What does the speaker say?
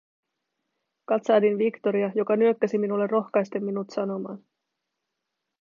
Katsahdin Victoria, joka nyökkäsi minulle rohkaisten minut sanomaan: